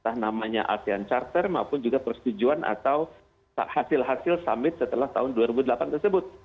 entah namanya asean charter maupun juga persetujuan atau hasil hasil summit setelah tahun dua ribu delapan tersebut